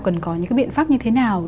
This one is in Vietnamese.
cần có những cái biện pháp như thế nào